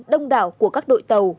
đông đảo của các đội tàu